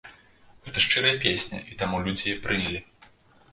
Гэта шчырая песня, і таму людзі яе прынялі.